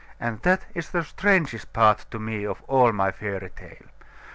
And that is the strangest part to me of all my fairy tale.